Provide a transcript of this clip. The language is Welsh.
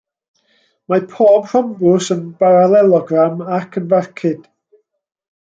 Mae pob rhombws yn baralelogram ac yn farcud.